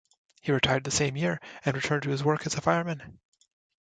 He retired the same year and returned to his work as a fireman.